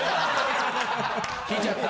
引いちゃった。